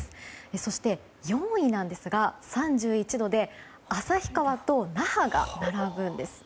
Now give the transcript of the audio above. そして、４位なんですが３１度で旭川と那覇が並ぶんです。